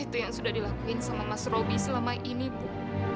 itu yang sudah dilakuin sama mas roby selama ini bu